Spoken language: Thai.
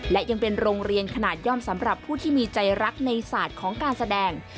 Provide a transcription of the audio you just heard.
และยังเป็นโรงเรียนขนาดย่อมสำหรับผู้ที่มีใจรักในศาสตร์ของการแสดง